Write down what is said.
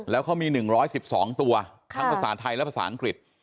แล้วเขามี๑๑๒ตัวทั้งภาษาไทยและภาษาอังกฤษ